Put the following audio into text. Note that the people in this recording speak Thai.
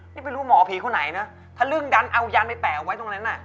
นี่ไม่รู้หมอผีคนไหนนะทะลึ่งดันเอายานไปแปะไว้ตรงนั้นน่ะ